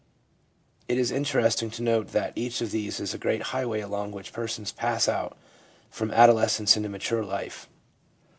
It is interesting to note that each of these is a great highway along which persons pass out from adolescence into mature life.